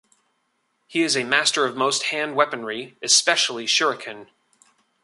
He is a master of most hand weaponry, especially shuriken.